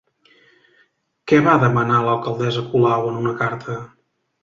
Què va demanar l'alcaldessa Colau en una carta?